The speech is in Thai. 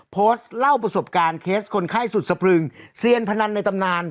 โพสต์เล่าประสบการณ์เคสคนไข้สุดสะพรึงเซียนพนันในตำนาน